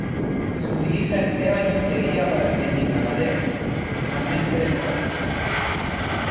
Se utiliza en ebanistería para teñir la madera, normalmente de nogal.